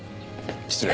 失礼。